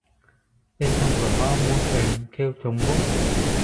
Bên trong cửa Ngọ Môn kèn kêu trống vỗ